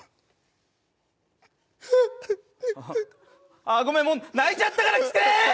うっうっうっごめん、もう泣いちゃったから来て。